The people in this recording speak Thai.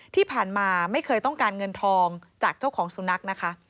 ที่ผ่านมาไม่เคยต้องการเงินทองจากเจ้าของสุนัขนะคะ